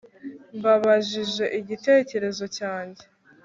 Bambajije igitekerezo cyanjye